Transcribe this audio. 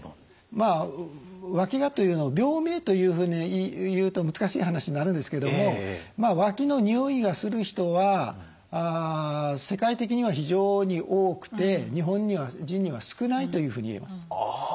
まあわきがというのを病名というふうにいうと難しい話になるんですけどもわきのにおいがする人は世界的には非常に多くて日本人には少ないというふうに言えます。